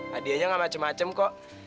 hadiahnya gak macem macem kok